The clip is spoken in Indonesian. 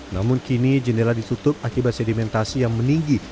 namun kini jendela ditutup akibat sedimentasi yang meninggi